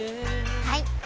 はい！